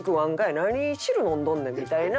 「何汁飲んどんねん」みたいな。